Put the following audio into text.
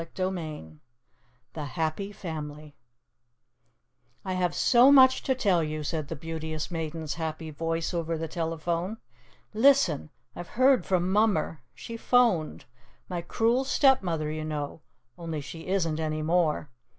CHAPTER XVI THE HAPPY FAMILY "I have so much to tell you," said the Beauteous Maiden's happy voice over the telephone. "Listen. I've heard from Mummer. She 'phoned. My Cruel Stepmother, you know, only she isn't any more.